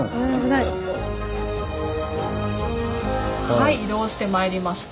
はい移動してまいりました。